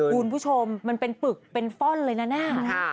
คุณผู้ชมมันเป็นปึกเป็นฟ่อนเลยนะเนี่ย